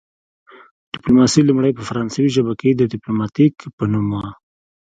ډیپلوماسي لومړی په فرانسوي ژبه کې د ډیپلوماتیک په نوم وه